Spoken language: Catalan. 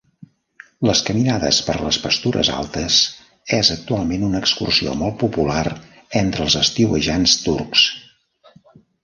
Les caminades per les pastures altes és actualment una excursió molt popular entre els estiuejants turcs.